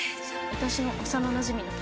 「私の幼なじみの匠」